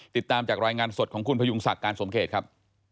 ติดตามจากรายงานสดของคุณพยุงศักดิ์การสมเขตครับ